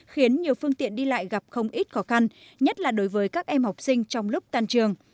khiến nhiều phương tiện đi lại gặp không ít khó khăn nhất là đối với các em học sinh trong lúc tan trường